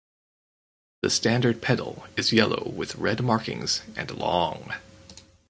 The standard petal is yellow with red markings and long.